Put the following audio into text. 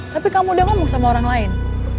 tapi kamu dia ngomong sama orang lain